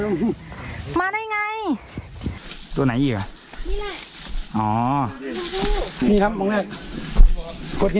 เฮ้ยมาได้ไงตัวไหนอีกอ่ะนี่แหละอ๋อนี่ครับบอกแล้ว